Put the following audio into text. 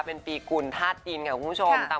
เป็นปีกุลฮาสจีนไงคุณผู้ชม